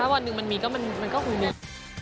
ถ้าวันนึงมันมีก็คุยด้วย